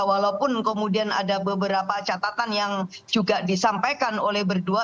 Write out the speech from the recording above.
walaupun kemudian ada beberapa catatan yang juga disampaikan oleh berdua